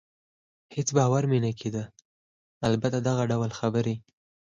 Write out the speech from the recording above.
هېڅ باور مې نه کېده، البته دغه ډول خبرې.